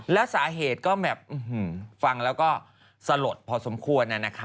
แล้วสาเหตุก็แบบฟังแล้วก็สะหรดพอสมควรนะฯค่ะ